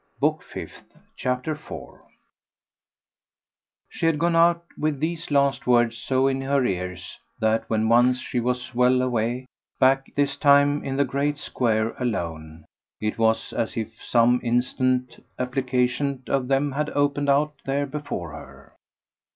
Book Fifth, Chapter 4 She had gone out with these last words so in her ears that when once she was well away back this time in the great square alone it was as if some instant application of them had opened out there before her.